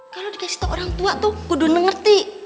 kalau dikasih ke orang tua tuh kudu nengerti